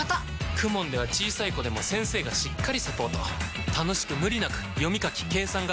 ＫＵＭＯＮ では小さい子でも先生がしっかりサポート楽しく無理なく読み書き計算が身につきます！